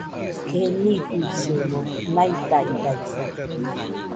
Keniguisɨmo naidaidaisa